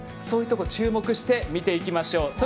そういうところ注目して見ていきましょう。